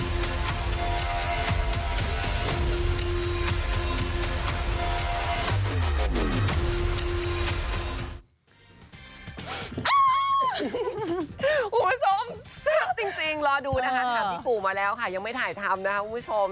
รอดูนะคะพี่กูมาแล้วค่ะยังไม่ถ่ายทำนะคะคุณผู้ชม